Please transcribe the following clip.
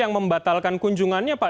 yang membatalkan kunjungannya pak